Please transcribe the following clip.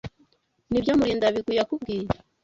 Nibyo Murindabigwi yakubwiye?